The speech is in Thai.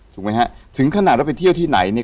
ถูกไหมฮะถึงขนาดเราไปเที่ยวที่ไหนเนี่ย